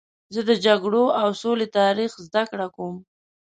زه د جګړو او سولې تاریخ زدهکړه کوم.